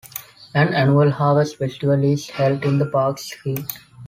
An annual Harvest Festival is held in the park's field.